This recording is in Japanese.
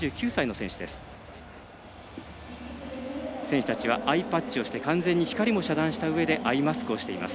選手たちはアイパッチをして完全に光も遮断したうえでアイマスクをしています。